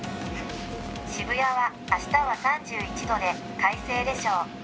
「渋谷はあしたは３１度で快晴でしょう」。